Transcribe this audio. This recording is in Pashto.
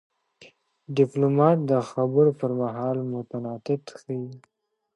ډيپلومات د خبرو پر مهال متانت ښيي.